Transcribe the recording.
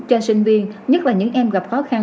cho sinh viên nhất là những em gặp khó khăn